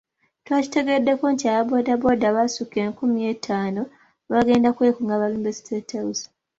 Twakitegeddeko nti aba boda boda abasukka enkumi etaano bagenda kwekunga balumbe State House.